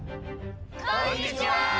こんにちは！